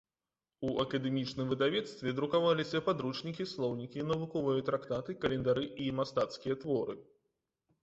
У акадэмічным выдавецтве друкаваліся падручнікі, слоўнікі, навуковыя трактаты, календары і мастацкія творы.